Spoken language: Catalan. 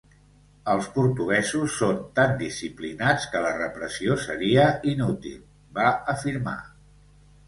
Els portuguesos són tan disciplinats que la repressió seria inútil, va afirmar.